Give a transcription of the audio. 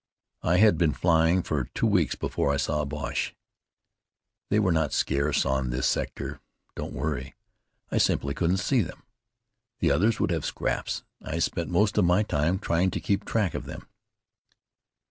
"I had been flying for two weeks before I saw a Boche. They are not scarce on this sector, don't worry. I simply couldn't see them. The others would have scraps. I spent most of my time trying to keep track of them."